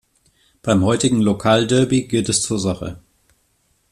Beim heutigen Lokalderby geht es zur Sache.